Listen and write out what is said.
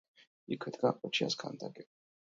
იქვე დგას ყოჩის ქანდაკება.